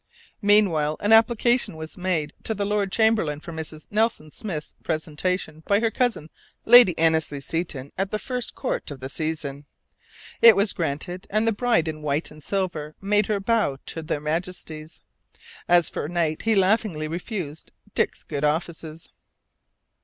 Meanwhile, an application was made to the Lord Chamberlain for Mrs. Nelson Smith's presentation by her cousin Lady Annesley Seton at the first Court of the season. It was granted, and the bride in white and silver made her bow to their majesties. As for Knight, he laughingly refused Dick's good offices.